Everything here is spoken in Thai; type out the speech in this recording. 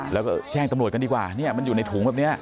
แล้วก็แจ้งตำรวจกันดีกว่าเนี่ยมันอยู่ในถุงแบบนี้